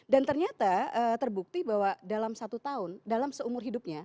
dan ternyata terbukti bahwa dalam satu tahun dalam seumur hidupnya